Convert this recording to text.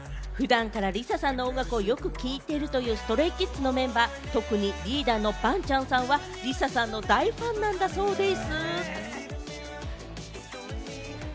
普段からＬｉＳＡさんの音楽をよく聴いているというＳｔｒａｙＫｉｄｓのメンバー、特にリーダーのバンチャンさんはＬｉＳＡさんの大ファンなんだそうです。